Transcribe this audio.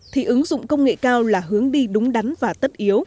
thì ứng dụng công nghệ cao là hướng đi đúng đắn và tất yếu